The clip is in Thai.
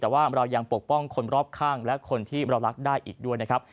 แต่ว่าเรายังปกป้องคนรอบข้างและคนที่เรารักได้อีกด้วยนะครับ